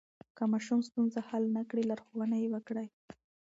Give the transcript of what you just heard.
که ماشوم ستونزه حل نه کړي، لارښوونه یې وکړئ.